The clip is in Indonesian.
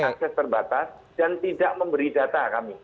akses terbatas dan tidak memberi data kami